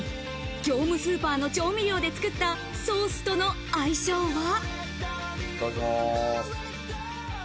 業務スーパーの調味料で作ったソースとの相性は？